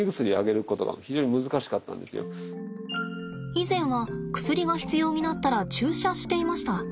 以前は薬が必要になったら注射していました。